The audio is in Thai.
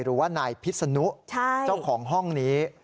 หรือว่านายพิษนุเจ้าของห้องนี้